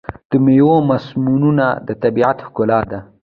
د میوو موسمونه د طبیعت ښکلا ده.